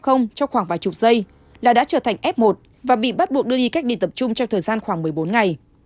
trong khoảng vài chục giây là đã trở thành f một và bị bắt buộc đưa đi cách ly tập trung trong thời gian khoảng một mươi bốn ngày